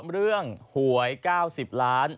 เรื่องหวย๙๐ล้านบาท